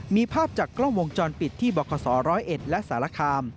มีภาพจากกล้องวงจรปิดที่บข๑๐๑และสารคาม